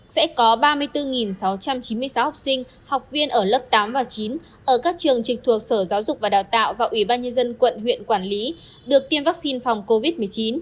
sẽ có ba mươi bốn sáu trăm chín mươi sáu học sinh học viên ở lớp tám và chín ở các trường trực thuộc sở giáo dục và đào tạo và ủy ban nhân dân quận huyện quản lý được tiêm vaccine phòng covid một mươi chín